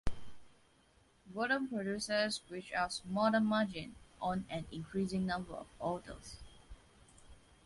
Volume producers squeezed out smaller margins on an increasing number of autos.